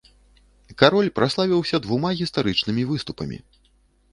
Кароль праславіўся двума гістарычнымі выступамі.